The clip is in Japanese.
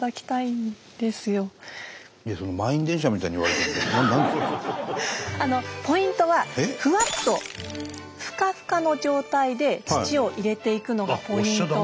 伊達さんそんなふうにポイントはふわっとふかふかの状態で土を入れていくのがポイント。